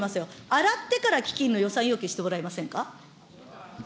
洗ってから基金の予算要求してもらえませんか。